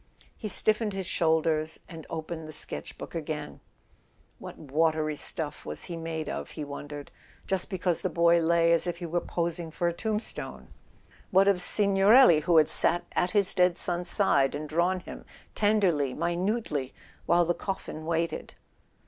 He stiffened his shoulders, and opened the sketch¬ book again. What watery stuff was he made of, he wondered ? Just because the boy lay as if he were posing for a tombstone!. .. What of Signorelli, who had sat at his dead son's side and drawn him, tenderly, mi¬ nutely, while the coffin waited?